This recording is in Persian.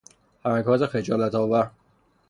حرکات خجالت آور